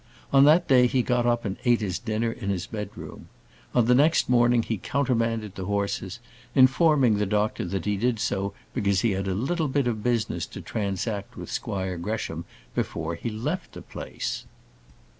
On that day he got up and ate his dinner in his bedroom. On the next morning he countermanded the horses, informing the doctor that he did so because he had a little bit of business to transact with Squire Gresham before he left the place!